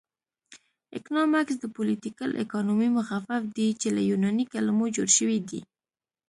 اکنامکس د پولیټیکل اکانومي مخفف دی چې له یوناني کلمو جوړ شوی دی